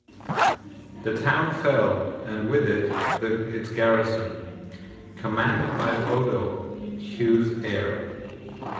The town fell and with it, its garrison, commanded by Odo, Hugh's heir.